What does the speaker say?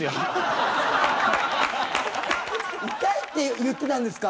「痛い」って言ってたんですか？